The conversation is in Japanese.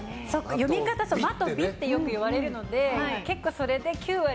呼び方まとびってよく言われるので結構それで９割。